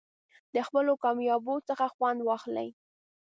د خپلو کامیابیو څخه خوند واخلئ.